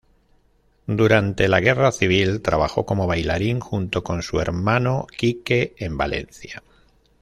Durante la Guerra Civil trabajo como bailarín junto con su hermano Quique en Valencia.